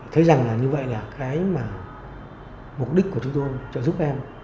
thấy rằng là như vậy là cái mà mục đích của chúng tôi trợ giúp em